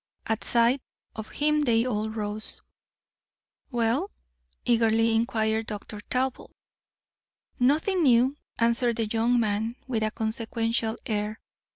At sight of him they all rose. "Well?" eagerly inquired Dr. Talbot. "Nothing new," answered the young man, with a consequential air.